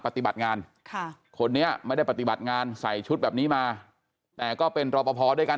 ปฏิบัติงานค่ะคนนี้ไม่ได้ปฏิบัติงานใส่ชุดแบบนี้มาแต่ก็เป็นรอปภด้วยกัน